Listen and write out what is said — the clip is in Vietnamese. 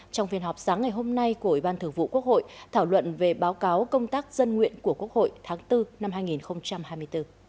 trong phiên họp sáng ngày hôm nay của ủy ban thường vụ quốc hội thảo luận về báo cáo công tác dân nguyện của quốc hội tháng bốn năm hai nghìn hai mươi bốn